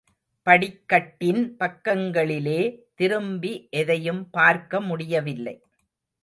படிக்கட்டின் பக்கங்களிலே திரும்பி எதையும் பார்க்க முடியவில்லை.